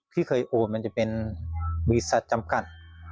ที่เคยโอนมันจะเป็นบริษัทจำกัด